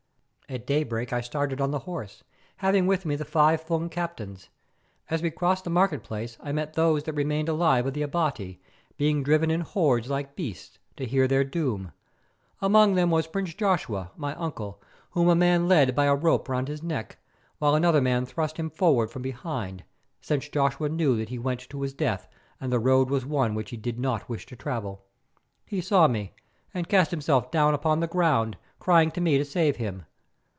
At daybreak I started on the horse, having with me the five Fung captains. As we crossed the marketplace I met those that remained alive of the Abati, being driven in hordes like beasts, to hear their doom. Among them was Prince Joshua, my uncle, whom a man led by a rope about his neck, while another man thrust him forward from behind, since Joshua knew that he went to his death and the road was one which he did not wish to travel. He saw me, and cast himself down upon the ground, crying to me to save him.